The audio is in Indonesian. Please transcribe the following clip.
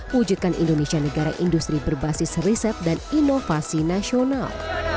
mewujudkan indonesia negara industri berbasis riset dan inovasi nasional